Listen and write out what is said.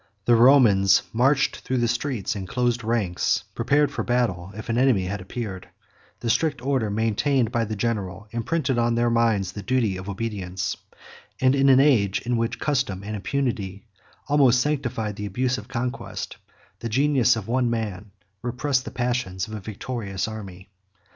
The Romans marched through the streets in close ranks prepared for battle if an enemy had appeared: the strict order maintained by the general imprinted on their minds the duty of obedience; and in an age in which custom and impunity almost sanctified the abuse of conquest, the genius of one man repressed the passions of a victorious army.